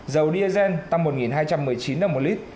dầu diesel tăng một hai trăm một mươi chín đồng một lít